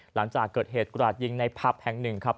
หลังจากเกิดเหตุกราดยิงในผับแห่งหนึ่งครับ